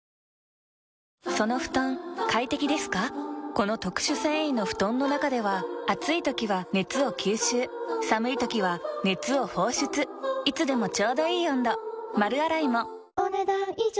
この特殊繊維の布団の中では暑い時は熱を吸収寒い時は熱を放出いつでもちょうどいい温度丸洗いもお、ねだん以上。